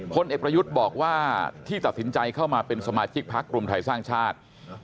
พลเอกประยุทธ์บอกว่าที่ตัดสินใจเข้ามาเป็นสมาชิกพักรวมไทยสร้างชาติ